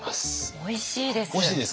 おいしいです。